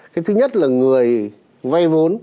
cái thứ nhất là người vay vốn